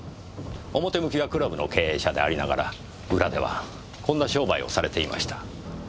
表向きはクラブの経営者でありながら裏ではこんな商売をされていました。